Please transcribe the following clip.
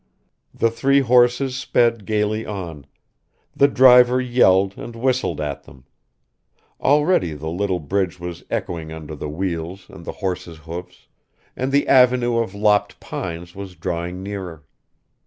The three horses sped gaily on; the driver yelled and whistled at them. Already the little bridge was echoing under the wheels and the horses' hoofs, and the avenue of lopped pines was drawing nearer